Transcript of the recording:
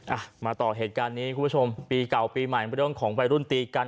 อ่ะมาต่อเหตุการณ์นี้คุณผู้ชมปีเก่าปีใหม่เรื่องของวัยรุ่นตีกัน